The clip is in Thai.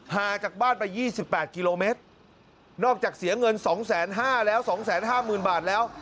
จากบ้านไป๒๘กิโลเมตรนอกจากเสียเงิน๒๕๐๐แล้ว๒๕๐๐๐บาทแล้ว